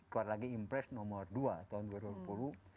keluar lagi impres nomor dua tahun dua ribu dua puluh